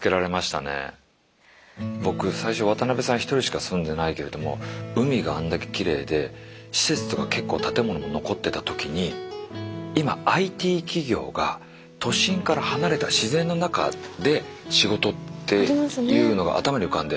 僕最初渡邊さん１人しか住んでないけれども海があんだけきれいで施設とか結構建物も残ってた時に今ＩＴ企業が都心から離れた自然の中で仕事っていうのが頭に浮かんで。